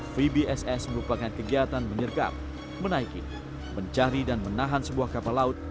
vbss merupakan kegiatan menyergap menaiki mencari dan menahan sebuah kapal laut